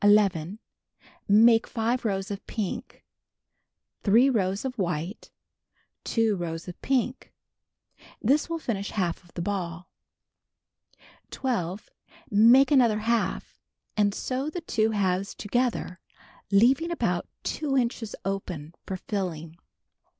Make 5 rows of pink. 3 rows of white. 2 rows of pink. This will finish half of the ball. 12. Make another half, and sew the two halves together, leaving about 2 inches open for filling.